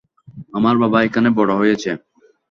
আমার বাবা এখানে বড় হয়েছে।